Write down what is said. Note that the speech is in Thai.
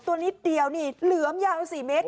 ตัวนี้เดียวหลืมยางอัน๔เมตร